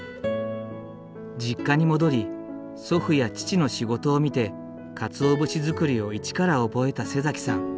実家に戻り祖父や父の仕事を見て鰹節作りを一から覚えたさん。